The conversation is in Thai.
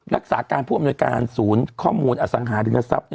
รักษาการผู้อำนวยการศูนย์ข้อมูลอสังหาริมทรัพย์